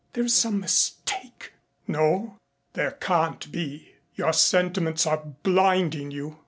"There is some mistake." "No. There can't be. Your sentiments are blinding you."